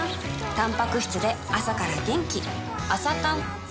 たんぱく質で朝から元気